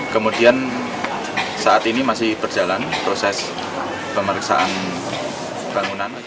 kemudian saat ini masih berjalan proses pemeriksaan bangunan